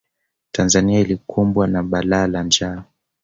tanzania ilikumbwa na bala la njaa